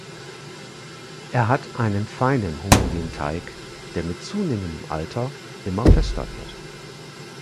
Er hat einen feinen homogenen Teig, der mit zunehmendem Alter immer fester wird.